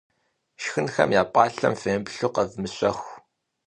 Шхынхэм я пӏалъэм фемыплъу къэвмыщэху.